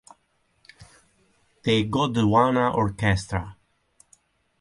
The Gondwana Orchestra